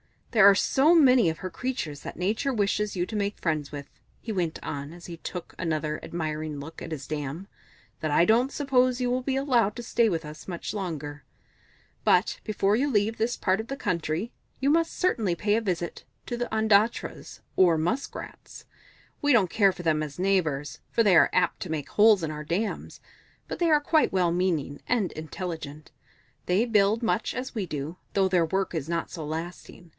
"There are so many of her creatures that Nature wishes you to make friends with," he went on as he took another admiring look at his dam, "that I don't suppose you will be allowed to stay with us much longer. But before you leave this part of the country, you must certainly pay a visit to the Ondatras, or Musk Rats. We don't care for them as neighbours, for they are apt to make holes in our dams, but they are quite well meaning and intelligent. They build much as we do, though their work is not so lasting.